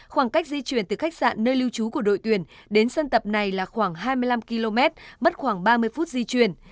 khoảng cách di chuyển từ khách sạn nơi lưu trú của đội tuyển đến sân tập này là khoảng hai mươi năm km mất khoảng ba mươi phút di chuyển